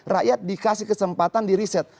rakyat dikasih kesempatan di riset